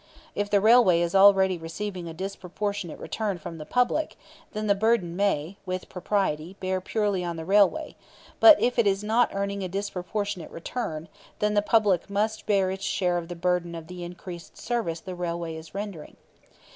If the railway is already receiving a disproportionate return from the public, then the burden may, with propriety, bear purely on the railway; but if it is not earning a disproportionate return, then the public must bear its share of the burden of the increased service the railway is rendering.